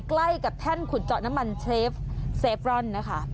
ใกล้กับแท่นขุดเจาะน้ำมันเชฟเซฟรอนนะคะ